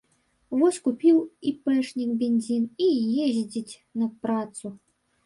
Вось купіў іпэшнік бензін і ездзіць на працу.